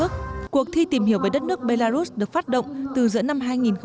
cuộc thi tìm hiểu về đất nước belarus được phát động từ giữa năm hai nghìn một mươi